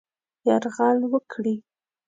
یرغل وکړي.